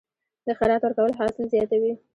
د خیرات ورکول حاصل زیاتوي؟